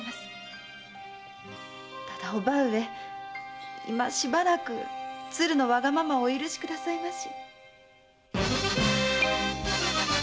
叔母上いましばらく鶴のわがままをお許しくださいまし。